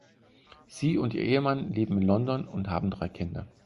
Sie und ihr Ehemann leben in London und haben drei Kinder.